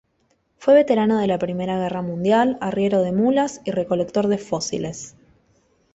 Fue veterano de la Primera Guerra Mundial, arriero de mulas y recolector de fósiles.